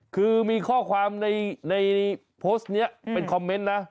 คือมีข้อความในโพสต์นี้เป็นคอมเมนต์นะ